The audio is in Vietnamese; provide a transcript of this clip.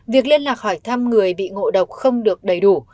việc liên lạc hỏi thăm người bị ngộ độc không được đầy đủ